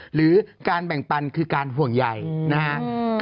หรือการแบ่งปันคือการห่วงใหญ่นะครับ